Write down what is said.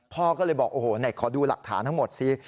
พ่อก็เลยบอกโอ้โหไหนขอดูหลักฐานทั้งหมดสิ